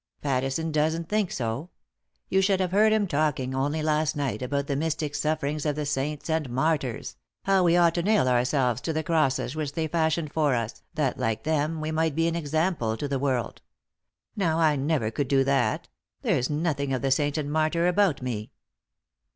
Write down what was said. "Pattison doesn't think so. You should have heard him talking, only last night, about the mystic sufferings of the saints and martyrs ; how we ought to nail ourselves to the crosses which they fashioned for us, that, like them, we might be an example to the world. Now I never could do that ; there's nothing of the saint and martyr about me."